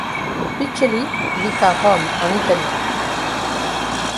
Pichelli vit à Rome, en Italie.